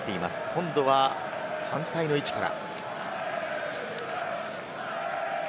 今度は反対の位置から。